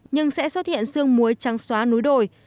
nhưng sẽ xuất hiện sương muối trắng xóa núi đồi